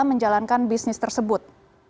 untuk menjalankan bisnis tersebut